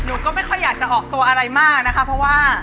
ก็ไม่ค่อยอยากจะออกตัวอะไรมากนะคะเพราะว่า